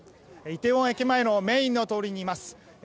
イテウォン駅前のメインの通りにいます。